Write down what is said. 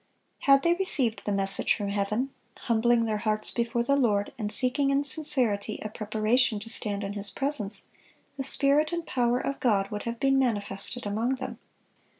Had they received the message from heaven, humbling their hearts before the Lord, and seeking in sincerity a preparation to stand in His presence, the Spirit and power of God would have been manifested among them.